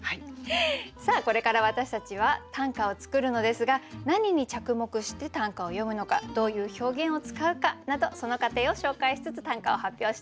さあこれから私たちは短歌を作るのですが何に着目して短歌を詠むのかどういう表現を使うかなどその過程を紹介しつつ短歌を発表したいと思います。